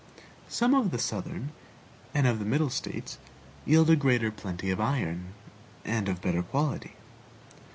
Some of the Southern and of the Middle States yield a greater plenty of iron, and of better quality.